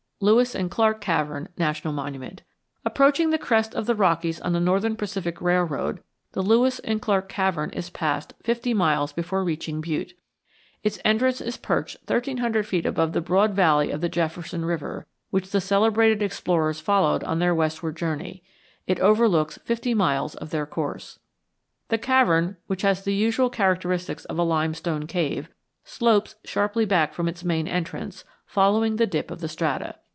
LEWIS AND CLARK CAVERN NATIONAL MONUMENT Approaching the crest of the Rockies on the Northern Pacific Railroad, the Lewis and Clark Cavern is passed fifty miles before reaching Butte. Its entrance is perched thirteen hundred feet above the broad valley of the Jefferson River, which the celebrated explorers followed on their westward journey; it overlooks fifty miles of their course. The cavern, which has the usual characteristics of a limestone cave, slopes sharply back from its main entrance, following the dip of the strata.